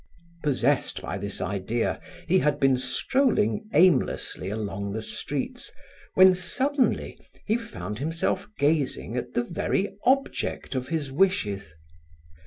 Possessed by this idea, he had been strolling aimlessly along the streets, when suddenly he found himself gazing at the very object of his wishes.